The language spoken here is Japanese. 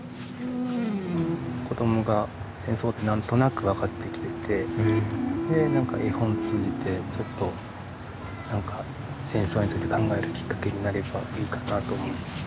子どもが戦争って何となく分かってきててで何か絵本通じてちょっと何か戦争について考えるきっかけになればいいかなと思ったからです。